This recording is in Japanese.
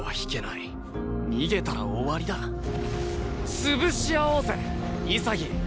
潰し合おうぜ潔。